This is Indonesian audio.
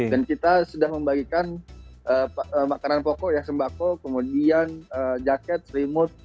dan kita sedang membagikan makanan pokok sembako kemudian jaket rimut